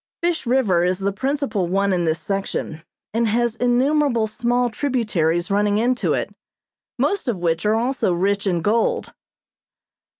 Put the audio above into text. Fish River is the principal one in this section, and has innumerable small tributaries running into it, most of which are also rich in gold.